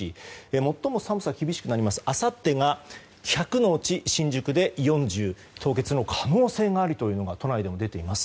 最も寒さが厳しくなりますあさってが１００のうち、新宿で４０凍結の可能性があるというのが都内でも出ています。